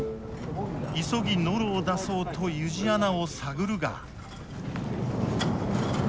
急ぎノロを出そうと湯路穴を探るが。